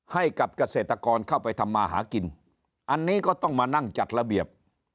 ให้กับเกษตรกรเข้าไปทำมาหากินอันนี้ก็ต้องมานั่งจัดระเบียบ